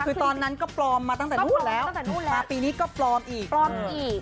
คือตอนนั้นก็ปลอมมาตั้งแต่นู้นแล้วตั้งแต่นู้นแล้วปีนี้ก็ปลอมอีกปลอมอีก